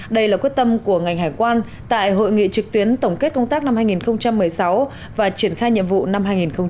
đây là quyết tâm của ngành hải quan tại hội nghị trực tuyến tổng kết công tác năm hai nghìn một mươi sáu và triển khai nhiệm vụ năm hai nghìn một mươi chín